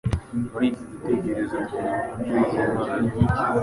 Muri iki gitekerezo twumvamo ijwi ry’Imana